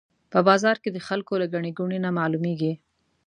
په بازار کې د خلکو له ګڼې ګوڼې نه معلومېږي.